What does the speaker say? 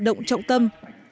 động trọng tâm